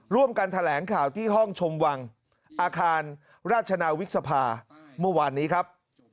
ร่วมกันแถลงข่าวที่ห้องชมวังอาคารราชนาวิกษภาเมื่อวานนี้ครับ